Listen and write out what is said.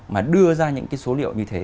mà đưa ra những cái số liệu như thế